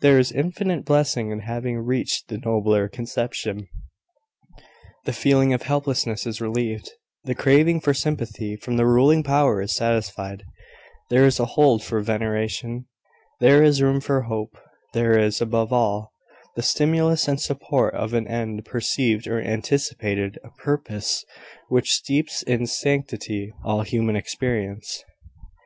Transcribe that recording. There is infinite blessing in having reached the nobler conception; the feeling of helplessness is relieved; the craving for sympathy from the ruling power is satisfied; there is a hold for veneration; there is room for hope: there is, above all, the stimulus and support of an end perceived or anticipated; a purpose which steeps in sanctity all human experience.